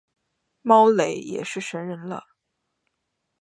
猫雷也是神人了